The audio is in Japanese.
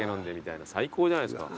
最高じゃないですか。